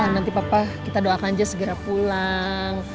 nanti papa kita doakan aja segera pulang